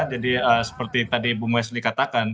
jadi seperti tadi ibu wesley katakan